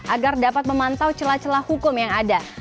agar dapat memantau celah celah hukum yang ada